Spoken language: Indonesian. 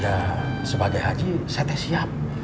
ya sebagai haji setnya siap